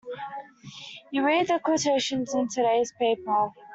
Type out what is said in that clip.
You read the quotations in today's paper.